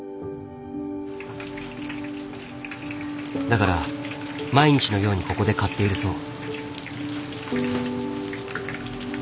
だから毎日のようにここで買っているそう。